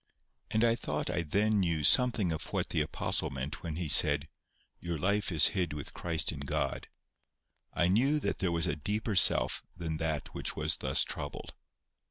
And I thought I then knew something of what the apostle meant when he said, "Your life is hid with Christ in God." I knew that there was a deeper self than that which was thus troubled.